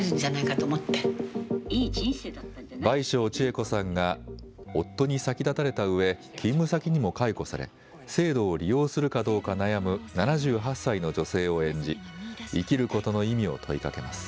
倍賞千恵子さんが夫に先立たれたうえ勤務先にも解雇され制度を利用するかどうか悩む７８歳の女性を演じ生きることの意味を問いかけます。